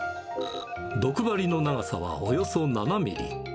毒針の長さはおよそ７ミリ。